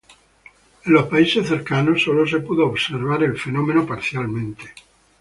En los países cercanos, solo se pudo observar el fenómeno parcialmente.